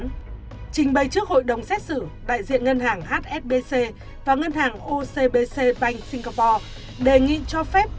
trình bày trước hội đồng xét xử đại diện ngân hàng hsbc và ngân hàng ocbc pan singapore đề nghị cho phép